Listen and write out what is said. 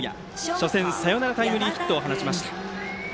初戦サヨナラタイムリーヒットを放ちました。